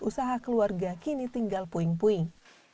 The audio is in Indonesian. usaha keluarga kini tinggal puing puing